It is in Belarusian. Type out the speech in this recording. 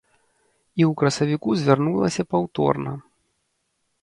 І ў красавіку звярнулася паўторна.